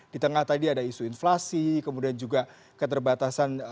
di tengah tadi ada isu inflasi kemudian juga keterbatasan